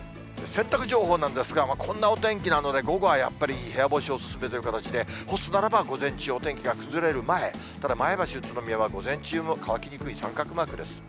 洗濯情報なんですが、こんなお天気なので、午後はやっぱり部屋干しお勧めという形で、干すならば午前中、お天気が崩れる前、ただ、前橋、宇都宮は午前中も乾きにくい三角マークです。